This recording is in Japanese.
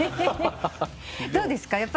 どうですか？